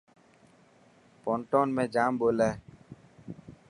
پونٽون ۾ جام ٻولي.